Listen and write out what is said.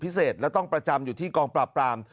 และต้องประจำอยู่ที่กองปราบปราม